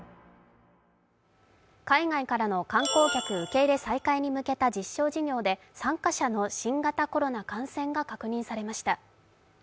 海外からの観光客受け入れ実施事業の再開で、参加者の新型コロナ感染が確認されました。